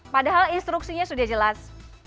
padahal instruksinya sudah jelas